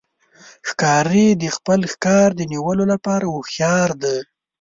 ښکاري د خپل ښکار د نیولو لپاره هوښیار دی.